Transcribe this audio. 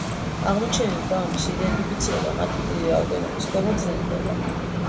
აღმოჩენილი გვამების იდენტიფიცირება მათი დიდი რაოდენობის გამო, ძნელდება.